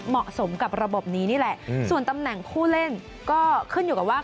เหมาะสมกับระบบนี้นี่แหละส่วนตำแหน่งผู้เล่นก็ขึ้นอยู่กับว่า